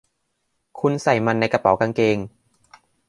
คุณใส่มันในกระเป๋ากางเกง